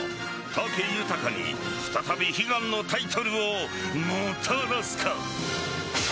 武豊に再び悲願のタイトルをもたらすか。